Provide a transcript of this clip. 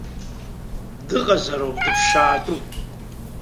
Дыҟазароуп, дыԥшаатәуп!